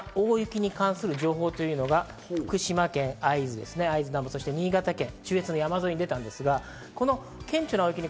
顕著な大雪に関する情報というのが福島県会津南部、そして新潟県中越の山沿いに出たんです。